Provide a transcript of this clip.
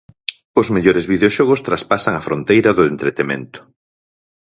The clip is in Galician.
Os mellores videoxogos traspasan a fronteira do entretemento.